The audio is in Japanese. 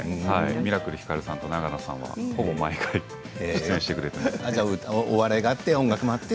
ミラクルひかるさんと永野さんはほぼ毎回、出演していただいて。